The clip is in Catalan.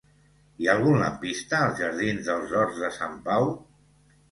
Hi ha algun lampista als jardins dels Horts de Sant Pau?